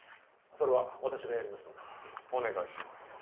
それは私がやりますのでお願いします